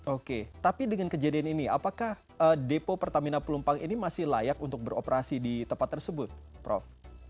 oke tapi dengan kejadian ini apakah depo pertamina pelumpang ini masih layak untuk beroperasi di tempat tersebut prof